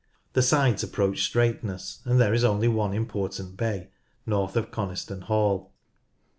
The sides approach straightness, and there is only one important bay, north of Coniston Hall.